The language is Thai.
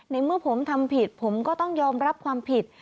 เมื่อผมทำผิดผมก็ต้องยอมรับความผิด